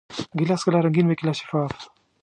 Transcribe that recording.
ګیلاس کله رنګین وي، کله شفاف.